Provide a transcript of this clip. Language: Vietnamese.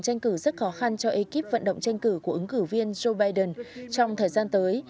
tranh cử rất khó khăn cho ekip vận động tranh cử của ứng cử viên joe biden trong thời gian tới